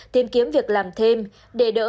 tìm kiếm việc làm thêm để đỡ